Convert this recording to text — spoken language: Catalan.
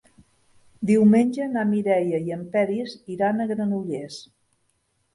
Diumenge na Mireia i en Peris iran a Granollers.